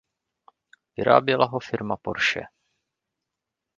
Vyráběla ho firma Porsche.